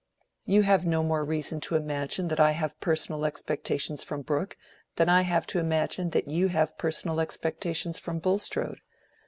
You have no more reason to imagine that I have personal expectations from Brooke, than I have to imagine that you have personal expectations from Bulstrode.